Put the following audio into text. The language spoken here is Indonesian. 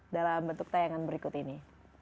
dalam bentuk tayangan berikut ini